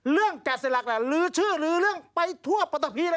เรื่องแกะสลักหรือชื่อหรือเรื่องไปทั่วปฏภีร์เลย